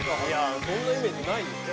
そんなイメージないよ。